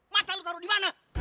mata lo taruh di mana